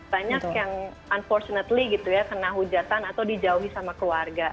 banyak yang unfortunately gitu ya kena hujatan atau dijauhi sama keluarga